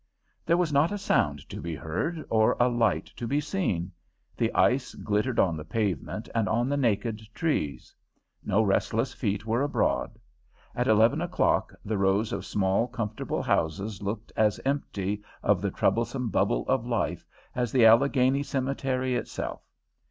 There was not a sound to be heard or a light to be seen. The ice glittered on the pavement and on the naked trees. No restless feet were abroad. At eleven o'clock the rows of small, comfortable houses looked as empty of the troublesome bubble of life as the Allegheny cemetery itself.